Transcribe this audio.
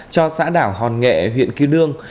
cho xã đảo hòn nghệ huyện kiêu đương